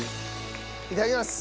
いただきます。